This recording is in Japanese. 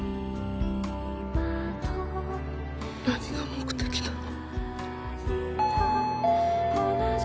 何が目的なの？